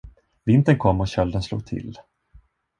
Vintern kom och kölden slog till.